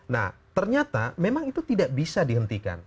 nah ternyata memang itu tidak bisa dihentikan